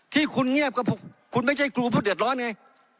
ที่คุณเงียบกับคุณไม่ใช่ครูผู้เดือดร้อนไง